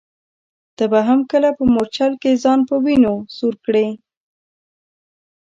ته به هم کله په مورچل کي ځان په وینو سور کړې ؟